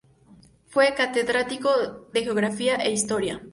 Fue catedrático de Geografía e Historia.